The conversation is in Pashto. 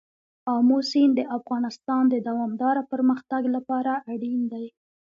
آمو سیند د افغانستان د دوامداره پرمختګ لپاره اړین دی.